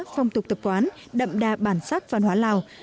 phong tục tập quán đậm đà bản sắc văn hóa lào